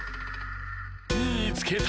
みいつけた！